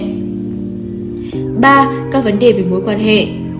ba các vấn đề về mối quan hệ